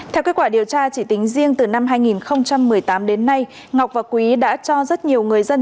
theo kết quả điều tra chỉ tính riêng từ năm hai nghìn một mươi tám đến nay ngọc và quý đã cho rất nhiều người dân